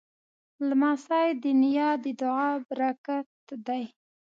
لمسی د نیا د دعا پرکت دی.